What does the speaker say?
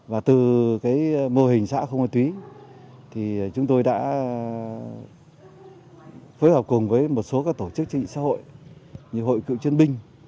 và từ mô hình xã không ma túy chúng tôi đã phối hợp cùng với một số tổ chức trị xã hội như hội cựu chuyên binh